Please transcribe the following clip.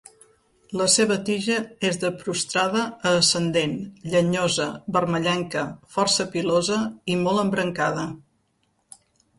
La seva tija és de prostrada a ascendent, llenyosa, vermellenca, força pilosa i molt embrancada.